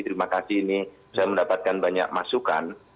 terima kasih ini saya mendapatkan banyak masukan